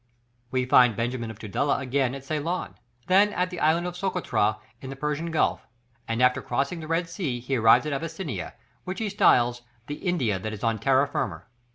We find Benjamin of Tudela again at Ceylon, then at the Island of Socotra in the Persian Gulf, and after crossing the Red Sea he arrives in Abyssinia, which he styles "the India that is on terra firma."